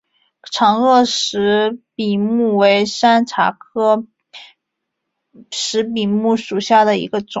长萼石笔木为山茶科石笔木属下的一个种。